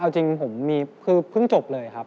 เอาจริงผมมีคือเพิ่งจบเลยครับ